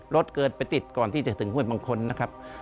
รถเกิดไปติดก่อนที่จะถึงห้วยมงคลนะครับ